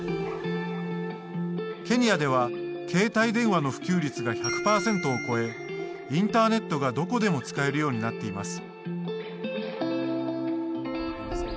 ケニアでは携帯電話の普及率が１００％を超えインターネットがどこでも使えるようになっています。